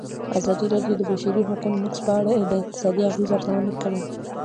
ازادي راډیو د د بشري حقونو نقض په اړه د اقتصادي اغېزو ارزونه کړې.